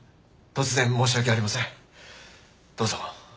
どうぞ。